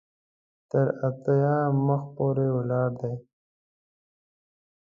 تر اتیا مخ پورې ولاړ دی.